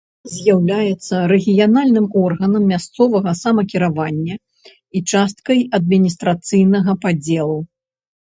З'яўляецца рэгіянальным органам мясцовага самакіравання і часткай адміністрацыйнага падзелу.